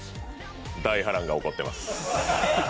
大波乱が起こってます。